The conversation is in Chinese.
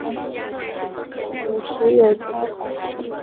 有时有蕈环。